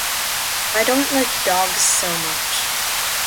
I don’t like dogs so much.